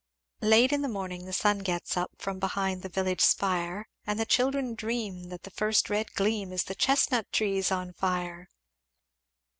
"Late in the morning the sun gets up From behind the village spire; And the children dream, that the first red gleam Is the chestnut trees on fire!